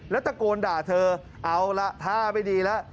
แล้วตะโกนด่าเธอเอาละท่าไม่ดีแล้ว